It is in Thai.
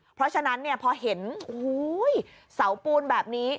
เพราะฉะนั้นพอเห็นเสาปูนแบบนี้